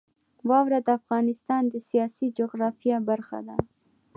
واوره د افغانستان د سیاسي جغرافیه برخه ده.